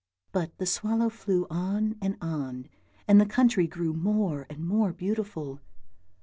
But the swallow flew on and on, and the country grew more and more beautiful.